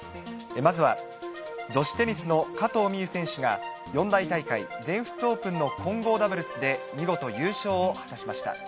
まずは女子テニスの加藤未唯選手が、四大大会、全仏オープンの混合ダブルスで見事優勝を果たしました。